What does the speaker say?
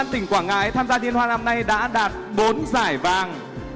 công an tỉnh quảng ngãi tham gia liên hoan năm nay đã đạt bốn giải vàng